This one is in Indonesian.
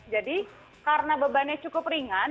jadi karena bebannya cukup ringan